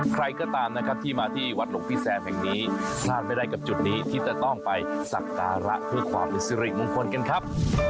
ใครก็ตามนะครับที่มาที่วัดหลวงพี่แซมแห่งนี้พลาดไม่ได้กับจุดนี้ที่จะต้องไปสักการะเพื่อความเป็นสิริมงคลกันครับ